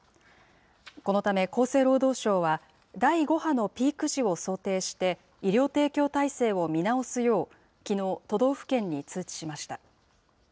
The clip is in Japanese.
このため厚生労働省は、第５波のピーク時を想定して、医療提供体制を見直すようきのう、都道府県に通知しました。